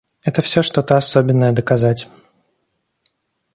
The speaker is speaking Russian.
Это всё что-то особенное доказать.